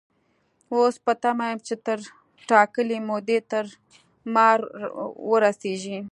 اوس په تمه يم چې تر ټاکلې مودې تر ما را ورسيږي.